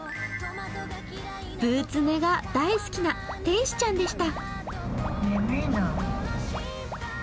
ブーツ寝が大好きな天使ちゃんでした。